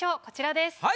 こちらです。